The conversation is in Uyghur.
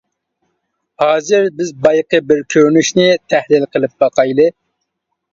ھازىر بىز بايىقى بۇ كۆرۈنۈشنى تەھلىل قىلىپ باقايلى.